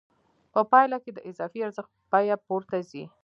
په پایله کې د اضافي ارزښت بیه پورته ځي